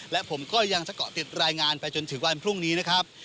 และผมก็ยังจะเกาะติดรายงานไปจนถึงวันพรุ่งนี้นะครับ